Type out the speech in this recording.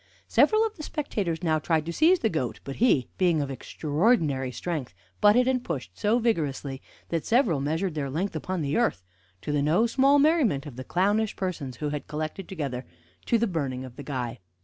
Several of the spectators now tried to seize the goat, but he being of extraordinary strength, butted and pushed so vigorously that several measured their length upon the earth, to the no small merriment of the clownish persons who had collected together to the burning of the guy.